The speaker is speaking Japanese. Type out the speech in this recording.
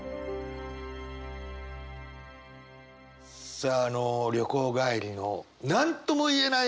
さああの旅行帰りの何とも言えない